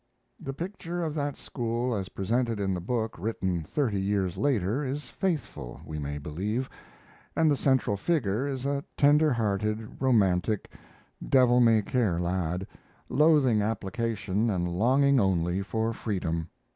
The picture of that school as presented in the book written thirty years later is faithful, we may believe, and the central figure is a tender hearted, romantic, devil may care lad, loathing application and longing only for freedom.